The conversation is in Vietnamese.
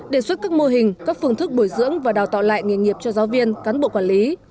đề xuất các mô hình các phương thức bồi dưỡng và đào tạo lại nghề nghiệp cho giáo viên cán bộ quản lý